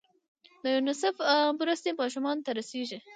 د یونیسف مرستې ماشومانو ته رسیږي؟